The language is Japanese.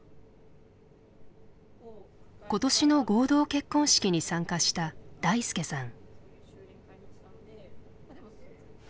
今年の合同結婚式に参加しただいすけさん。